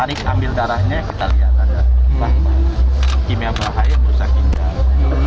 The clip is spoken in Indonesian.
larik ambil darahnya kita lihat ada bahan bahan kimia berbahaya yang merusak ginjal